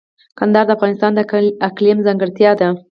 کندهار د افغانستان د اقلیم ځانګړتیا ده.